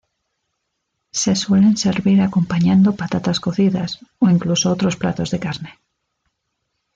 Se suelen servir acompañando patatas cocidas o incluso otros platos de carne.